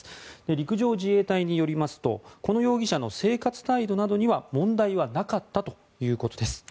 陸上自衛隊によりますとこの容疑者の生活態度などには問題はなかったということです。